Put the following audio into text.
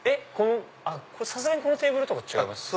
さすがにこのテーブルとか違いますよね。